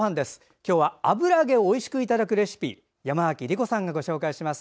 今日は油揚げをおいしくいただくレシピ山脇りこさんがご紹介します。